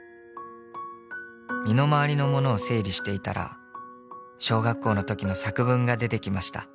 「身の回りの物を整理していたら小学校の時の作文が出てきました」